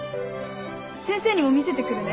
先生にも見せてくるね。